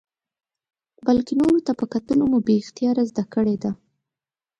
بلکې نورو ته په کتلو مو بې اختیاره زده کړې ده.